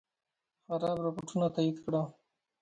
خراب رپوټونه تایید کړل.